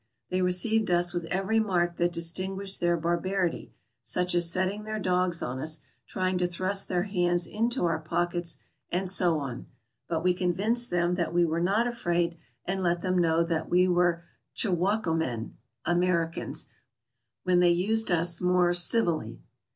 They received us with every mark that distin guished their barbarity, such as setting their dogs on us, trying to thrust their hands into our pockets, and so on, but 144 TRAVELERS AND EXPLORERS we convinced them that we were not afraid, and let them know that we were Chewockomen (Americans), when they used us more civilly.